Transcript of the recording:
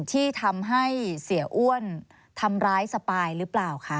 ที่ทำให้เสียอ้วนทำร้ายสปายหรือเปล่าคะ